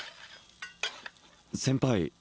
先輩